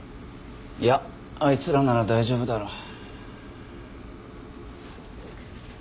いやあいつらなら大丈夫だろう。